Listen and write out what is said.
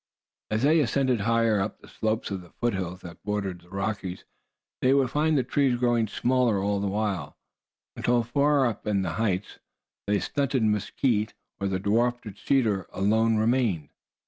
As they ascended higher up the slopes of the foothills that bordered the Rockies, they would find the trees growing smaller all the while, until far up the heights the stunted mesquite or the dwarfed cedar alone remained.